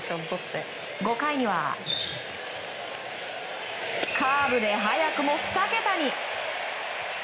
５回にはカーブで早くも２桁に。